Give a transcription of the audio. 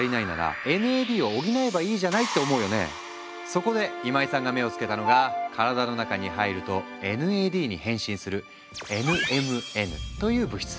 じゃあそこで今井さんが目を付けたのが体の中に入るとＮＡＤに変身するＮＭＮという物質。